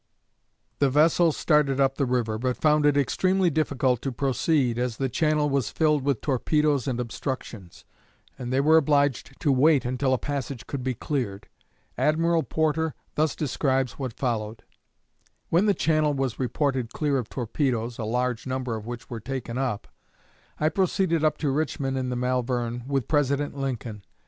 _" The vessel started up the river, but found it extremely difficult to proceed, as the channel was filled with torpedoes and obstructions, and they were obliged to wait until a passage could be cleared. Admiral Porter thus describes what followed: "When the channel was reported clear of torpedoes (a large number of which were taken up), I proceeded up to Richmond in the 'Malvern,' with President Lincoln.